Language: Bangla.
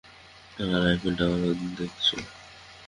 আর আইফেল টাওয়ার দেখেছ?